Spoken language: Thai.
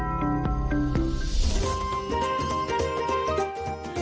แมนติดเบียน